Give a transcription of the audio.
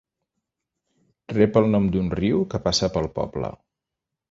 Rep el nom d'un riu que passa pel poble.